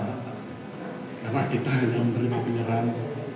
karena kita hanya menerima penyerahan